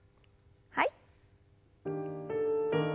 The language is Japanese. はい。